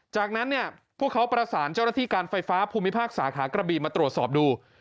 จากนั้นเนี่ยพวกเขาประสานเจ้าหน้าที่การไฟฟ้าภูมิภาคสาขากระบีมาตรวจสอบดู